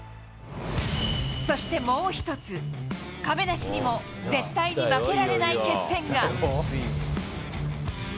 そしてもう一つ、亀梨にも絶対に負けられない決戦が。